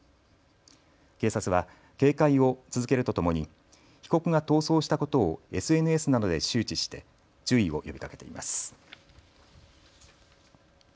警察は警戒を続けるとともに被告が逃走したことをＳＮＳなどで周知して注意を呼びかけています。